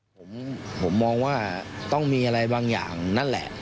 ผมมองว่าต้องมีอะไรบางอย่างนั่นแหละ